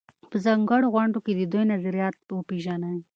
په ځانګړو غونډو کې د دوی نظریات وپېژنئ.